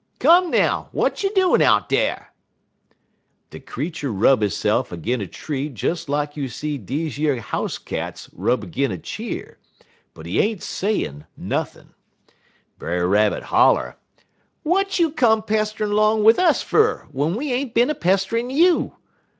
Come, now! W'at you doin' out dar?' "De creetur rub hisse'f 'gin' a tree des lak you see deze yer house cats rub 'gin' a cheer, but he ain't sayin' nothin'. Brer Rabbit holler: "'W'at you come pesterin' 'long wid us fer, w'en we ain't bin a pesterin' you?